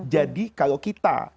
jadi kalau kita